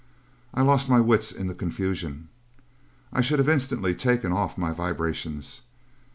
I lost my wits in the confusion: I should have instantly taken off my vibrations.